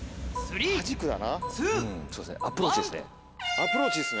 アプローチですね。